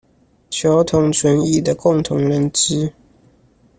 求同存異的共同認知